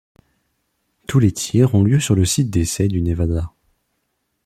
Tous les tirs ont lieu sur le site d'essais du Nevada.